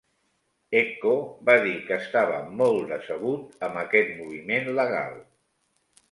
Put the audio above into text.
Ecko va dir que estava molt decebut amb aquest moviment legal.